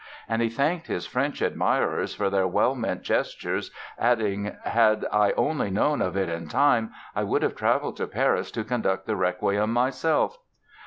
And he thanked his French admirers for their well meant gestures adding "had I only known of it in time, I would have traveled to Paris to conduct the Requiem myself!"